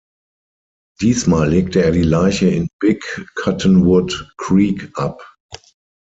Diesmal legte er die Leiche in Big Cottonwood Creek ab.